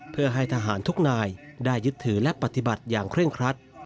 เพื่อให้ทหารทุกนายได้ยึดถือและปฏิบัติอย่างเร่งครัด